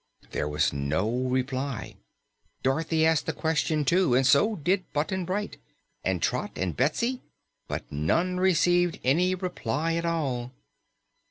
There was no reply. Dorothy asked the question, too, and so did Button Bright and Trot and Betsy, but none received any reply at all.